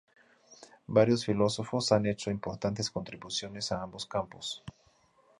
Varios filósofos han hecho importantes contribuciones a ambos campos.